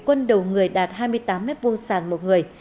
quân đầu người đạt hai mươi tám m hai sàng một người